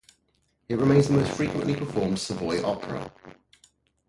It remains the most frequently performed Savoy opera.